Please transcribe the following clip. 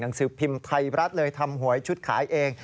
หนังสือพิมพ์ไทยรัฐเลยทำหวยชุดขายเอง